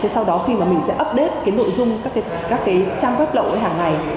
sau đó khi mà mình sẽ update nội dung các trang web lộng hàng ngày